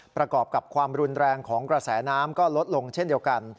ประกอบกับความรุนแรงของกระแสน้ำก็ลดลงเช่นเดียวกัน